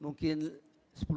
mungkin sepuluh tahun